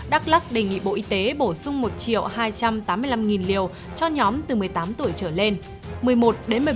đắk lắc đề nghị bộ y tế bổ sung một hai trăm tám mươi năm liều cho nhóm từ một mươi tám tuổi trở lên